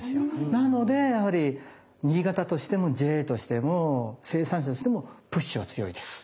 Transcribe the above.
なのでやはり新潟としてもＪＡとしても生産者としてもプッシュは強いです。